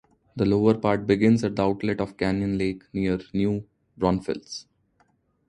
The lower part begins at the outlet of Canyon Lake, near New Braunfels.